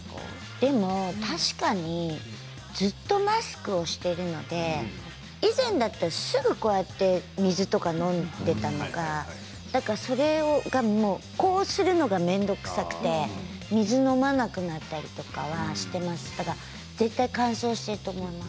でも確かにずっとマスクをしているので以前だったらすぐこうやって水とか飲んでいたのがそれがマスクを取るのが面倒くさくて、水を飲まなくなったりとかは、していますから絶対に乾燥していると思います。